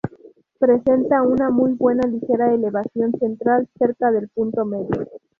Presenta una muy ligera elevación central cerca del punto medio.